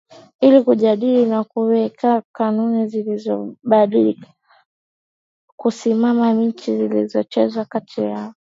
ili kujadili na kuweka kanuni zilizokubalika kusimamia mechi zilizochezwa kati yao